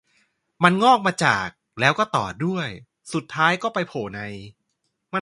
มันงอกมาจาก แล้วก็ต่อด้วย สุดท้ายก็ไปโผล่ใน